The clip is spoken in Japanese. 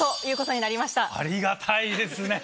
ありがたいですね！